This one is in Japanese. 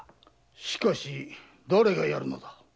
しかし誰が殺るのだ。